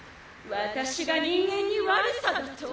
私が人間に悪さだと？